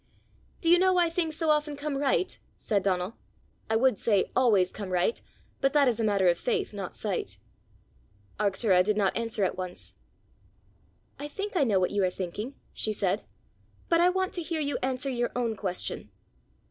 "Do you know why things so often come right?" said Donal. " I would say always come right, but that is a matter of faith, not sight." Arctura did not answer at once. "I think I know what you are thinking," she said, "but I want to hear you answer your own question."